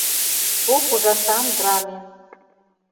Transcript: Кок ужашан драме